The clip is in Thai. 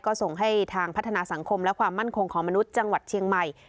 ก็ส่งให้ทางพัฒนาสังคมและความมั่นคงของมนุษย์จังหวัดเชียงใหม่